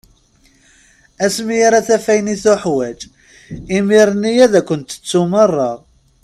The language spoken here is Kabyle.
Asmi ara taf ayen i tuḥwaǧ, imir-nni ad ken-tettu meṛṛa.